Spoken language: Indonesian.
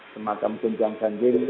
semacam tunjang janji